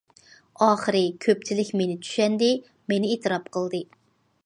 ئاخىرى كۆپچىلىك مېنى چۈشەندى، مېنى ئېتىراپ قىلدى.